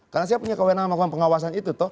karena saya punya kewenangan sama pengawasan itu